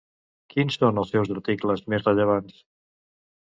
Quins són els seus articles més rellevants?